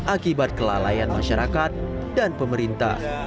akibat kelalaian masyarakat dan pemerintah